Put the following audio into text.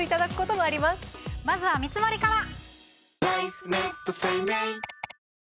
まずは見積りから！